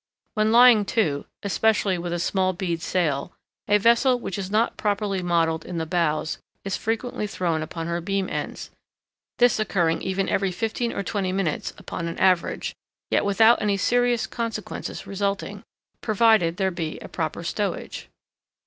When lying to (especially with a small head sail), a vessel which is not properly modelled in the bows is frequently thrown upon her beam ends; this occurring even every fifteen or twenty minutes upon an average, yet without any serious consequences resulting, provided there be a proper stowage.